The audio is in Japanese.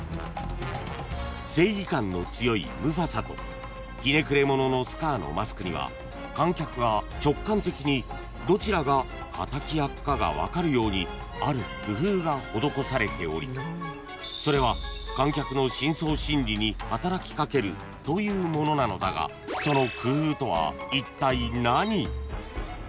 ［正義感の強いムファサとひねくれ者のスカーのマスクには観客が直感的にどちらが敵役かが分かるようにある工夫が施されておりそれは観客の深層心理に働きかけるというものなのだがその工夫とはいったい何？］